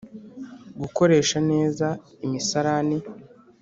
gukoresha neza imisarani